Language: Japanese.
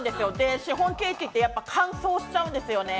シフォンケーキって乾燥しちゃうんですよね。